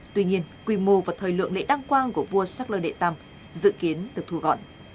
tuy nhiên quy mô và thời lượng lễ đăng quang của vua shackler đệ tam dự kiến được thu gọn